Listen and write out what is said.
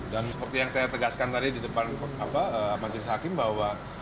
dan seperti yang saya tegaskan tadi di depan majelis hakim bahwa